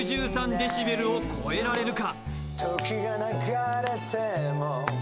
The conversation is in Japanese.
デシベルを超えられるか？